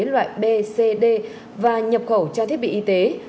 loại b c d và nhập khẩu trang thiết bị y tế